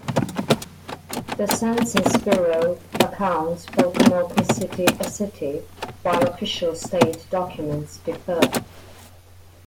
The Census Bureau accounts Pocomoke City a city, while official state documents differ.